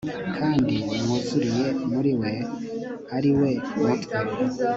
kandi mwuzuriye muri we ari we mutwe